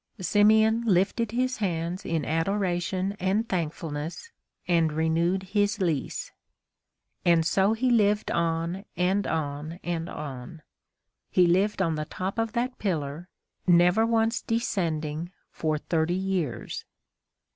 Simeon lifted his hands in adoration and thankfulness and renewed his lease. And so he lived on and on and on—he lived on the top of that pillar, never once descending for thirty years.